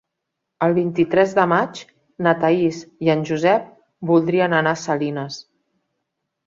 El vint-i-tres de maig na Thaís i en Josep voldrien anar a Salines.